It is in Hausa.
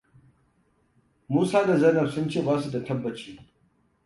Musa da Zainab sun ce ba su da tabbaci.